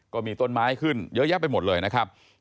ก็มีต้นไม้ขึ้นเยอะแยะไปหมดเลยนะครับ